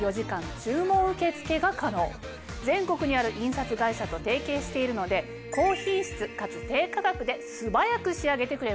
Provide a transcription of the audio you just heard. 全国にある印刷会社と提携しているので高品質かつ低価格で素早く仕上げてくれます！